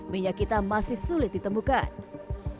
minyak kita masih sulit ditemukan